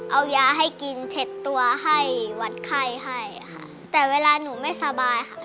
เอายาให้กินเช็ดตัวให้วัดไข้ให้ค่ะแต่เวลาหนูไม่สบายค่ะ